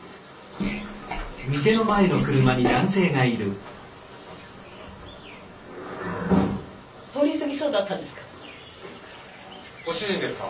スタジオ通り過ぎそうだったんですか？